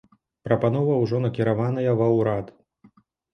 Прапанова ўжо накіраваная ва урад.